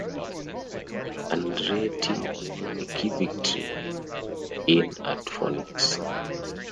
Andretti won a key victory in at Phoenix.